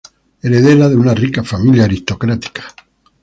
Heredera de una rica familia aristocrática.